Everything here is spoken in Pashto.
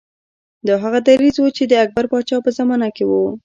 دا هغه دریځ و چې د اکبر پاچا په زمانه کې و.